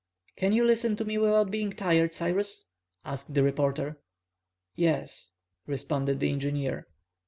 "Can you listen to me without being tired, Cyrus?" asked the reporter. "Yes," responded the engineer.